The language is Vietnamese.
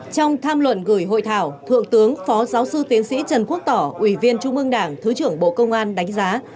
trong tham luận gửi hội thảo thượng tướng phó giáo sư tiến sĩ trần quốc tỏ ủy viên trung ương đảng thứ trưởng bộ công an đánh giá